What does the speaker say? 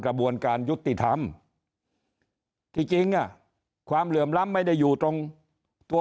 กระบวนการยุติธรรมที่จริงอ่ะความเหลื่อมล้ำไม่ได้อยู่ตรงตัว